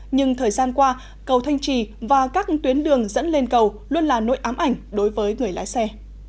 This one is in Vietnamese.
nhưng thời gian qua cầu thanh trì và các tuyến đường dẫn lên cầu luôn là nỗi ám ảnh đối với người lái xe